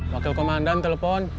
wakil komandan telepon